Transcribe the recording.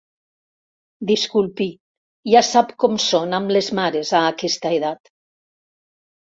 Disculpi, ja sap com són amb les mares, a aquesta edat.